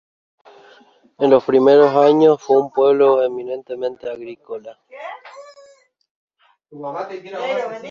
En los primeros años fue un pueblo eminentemente agrícola.